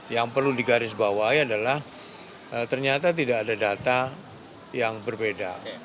yang perlu digarisbawahi adalah ternyata tidak ada data yang berbeda